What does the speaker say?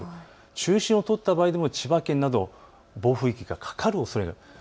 中心を通った場合でも千葉県など、暴風域がかかるおそれがあります。